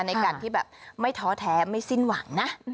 ในการที่แบบไม่ท้อแท้ไม่สิ้นหวังนะ